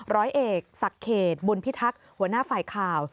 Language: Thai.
ร้อยเอกสักเขตบุญพิทักษ์หัวหน้าไฟข่าว